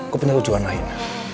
gue punya tujuan lain